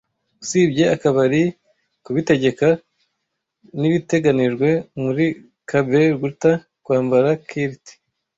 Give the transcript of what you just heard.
Usibye akabari kubitegeko nibiteganijwe muri caber guta Kwambara kilt